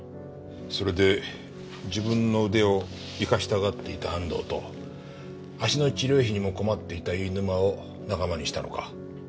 それで自分の腕を生かしたがっていた安藤と足の治療費にも困っていた飯沼を仲間にしたのか。